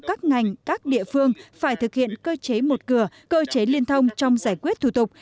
các ngành các địa phương phải thực hiện cơ chế một cửa cơ chế liên thông trong giải quyết thủ tục